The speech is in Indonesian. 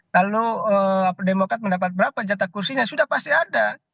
lalu demokrat mendapat berapa jatah kursinya sudah pasti ada